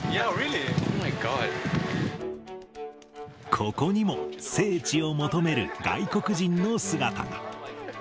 ここにも聖地を求める外国人の姿が。